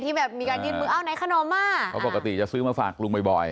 แบบมีการยื่นมือเอาไหนขนมอ่ะเพราะปกติจะซื้อมาฝากลุงบ่อยบ่อย